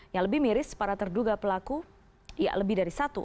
yang lebih miris para terduga pelaku ya lebih dari satu